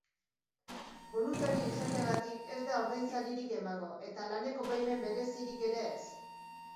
Boluntario izateagatik ez da ordainsaririk emango eta laneko baimen berezirik ere ez.